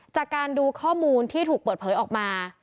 จากการดูข้อมูลที่ถูกเปิดเผยออกมา